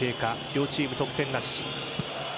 両チーム、得点なし。